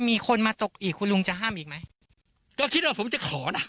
มีคนมาตกอีกคุณลุงจะห้ามอีกไหมก็คิดว่าผมจะขอนะ